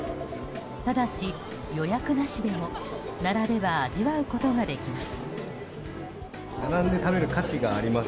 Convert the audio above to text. ただし、予約なしでも並べば味わうことができます。